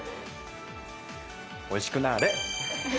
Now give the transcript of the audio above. おいしくなれ。